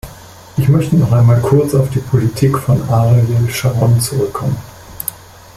Ich möchte noch einmal kurz auf die Politik von Ariel Scharon zurückkommen.